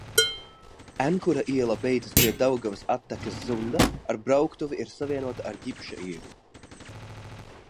Enkura iela beidzas pie Daugavas attekas Zunda, ar brauktuvi ir savienota ar Ģipša ielu.